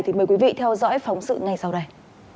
thì mời quý vị theo dõi phóng sự ngay sau đây